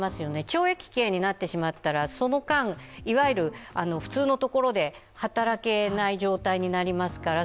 懲役刑になってしまったら、その間いわゆる普通の所で働けない状態になりますから